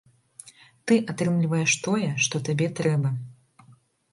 Ты атрымліваеш тое, што табе трэба.